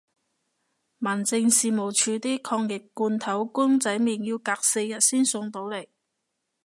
民政事務署啲抗疫罐頭公仔麵要隔四日先送到嚟